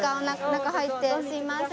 中入ってすみません。